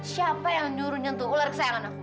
siapa yang nyuruh nyentuh ular kesayangan aku